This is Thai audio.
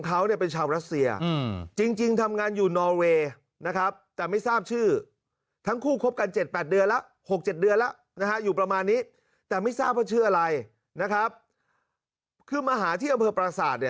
คือมาหาที่บรรพีปราสาท